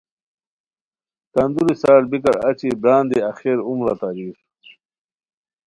کندوری سال بیکار اچی بران دی آخر عمرہ تاریر